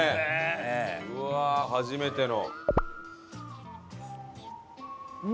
うわあ初めての。